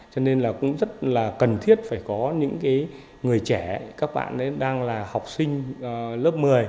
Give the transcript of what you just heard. cho nên là cũng rất là cần thiết phải có những người trẻ các bạn đang là học sinh lớp một mươi